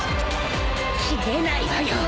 斬れないわよ